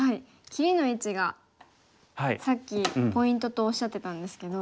切りの位置がさっきポイントとおっしゃってたんですけど。